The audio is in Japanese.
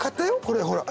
これほら。